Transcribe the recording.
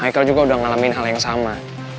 hai kal juga udah ngalamin hal yang sama